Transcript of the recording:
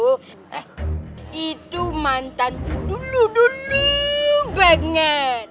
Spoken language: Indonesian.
eh itu mantan dulu dulu banget